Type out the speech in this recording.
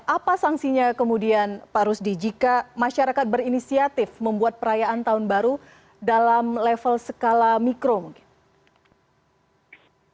apa sanksinya kemudian pak rusdi jika masyarakat berinisiatif membuat perayaan tahun baru dalam level skala mikro mungkin